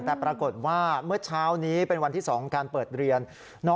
แต่ปรากฏว่าเมื่อเช้านี้เป็นวันที่๒การเปิดเรียน